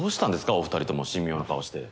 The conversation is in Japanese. お２人共神妙な顔して。